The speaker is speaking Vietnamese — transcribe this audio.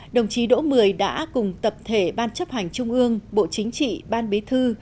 đồng chí đỗ mười đã cùng tập thể ban chấp hành trung ương bộ chính trị ban bí thư